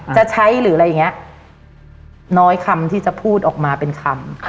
จะใช้หรืออะไรอย่างนี้น้อยคำที่จะพูดออกมาเป็นคำ